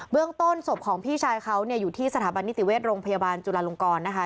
เรื่องต้นศพของพี่ชายเขาเนี่ยอยู่ที่สถาบันนิติเวชโรงพยาบาลจุลาลงกรนะคะ